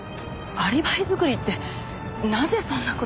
アリバイ作りってなぜそんな事？